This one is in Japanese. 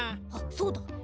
あっそうだ！